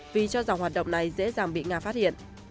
vì cho rằng hoạt động này dễ dàng bị nga phát hiện